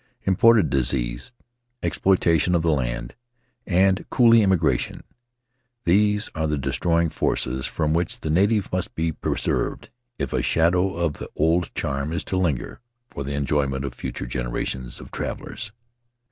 Imported disease, exploitation of the land, and coolie immigration — these are the destroying forces from which the native must be pre served if a shadow of the old charm is to linger for the enjoyment of future generations of travelers.